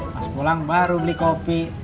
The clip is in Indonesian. pas pulang baru beli kopi